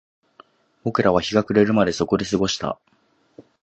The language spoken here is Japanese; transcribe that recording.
僕らは日が暮れるまでそこで過ごした